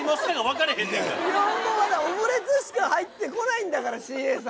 「オムレツ」しか入ってこないんだからＣＡさん。